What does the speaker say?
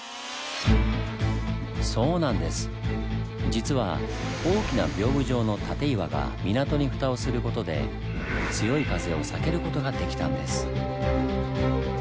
実は大きな屏風状の舘岩が港にふたをする事で強い風を避ける事ができたんです。